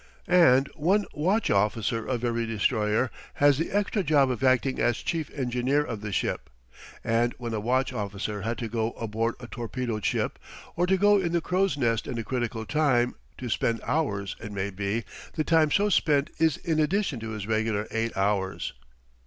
And one watch officer of every destroyer has the extra job of acting as chief engineer of the ship; and when a watch officer had to go aboard a torpedoed ship, or to go in the crow's nest in a critical time, to spend hours, it may be, the time so spent is in addition to his regular eight hours.